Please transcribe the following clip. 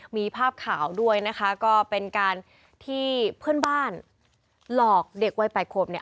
มีภาพข่าวด้วยนะคะก็เป็นการที่เพื่อนบ้านหลอกเด็กวัย๘ขวบเนี่ย